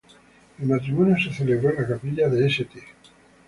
El matrimonio se celebró en la capilla de St.